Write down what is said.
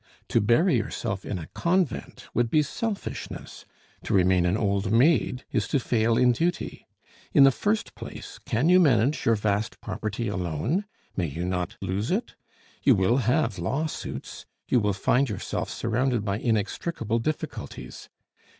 To bury yourself in a convent would be selfishness; to remain an old maid is to fail in duty. In the first place, can you manage your vast property alone? May you not lose it? You will have law suits, you will find yourself surrounded by inextricable difficulties.